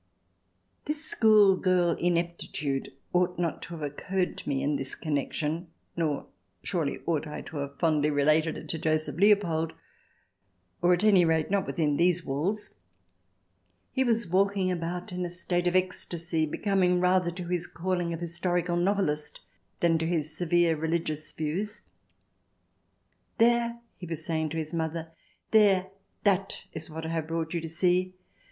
..." This schoolgirl ineptitude ought not to have occurred to me in this connection, nor surely ought I to have fondly related it to Joseph Leopold — or, at any rate, not within these walls. He was walking about in a state of ecstasy becoming rather to his calling of historical novelist than to his severe rehgious views. " There," he was saying to his mother —" there, that is what I have brought you to see.